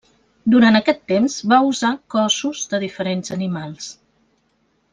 Durant aquest temps va usar cossos de diferents animals.